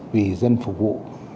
vì dân phục vụ